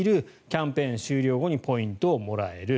キャンペーン終了後にポイントをもらえる。